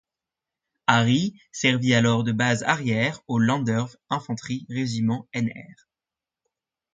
Arry servit alors de base arrière au Landwehr Infanterie Regiment nr.